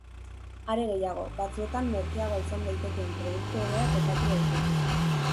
Are gehiago, batzuetan merkeagoa izan daitekeen produktu hobea topatu daiteke.